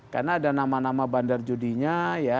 karena ada nama nama bandar judinya ya